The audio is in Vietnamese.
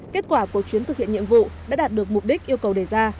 kết quả của chuyến thực hiện nhiệm vụ đã đạt được mục đích yêu cầu đề ra